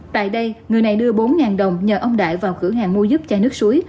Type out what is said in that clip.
tại đây người này đưa bốn đồng nhờ ông đại vào cửa hàng mua giúp chai nước suối